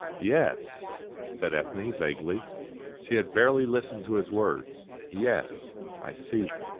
"Yes," said Ethne, vaguely. She had barely listened to his words. "Yes, I see."